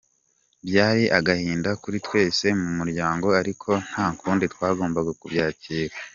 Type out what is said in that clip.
Byari agahinda kuri twese mu muryango ariko nta kundi twagomba kubyakira.